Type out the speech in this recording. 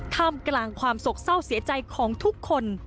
ท่ามกลางความโศกเศร้าเสียใจของทุกคน